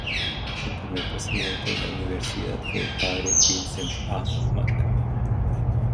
El primer presidente de la universidad fue el padre Vincent A. Mc.